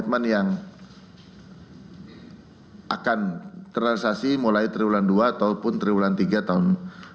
terulang tiga tahun dua ribu enam belas